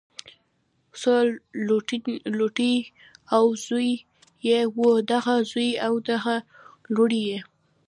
څو لوڼې او زوي یې وو دغه زوي او دغه لوڼو یی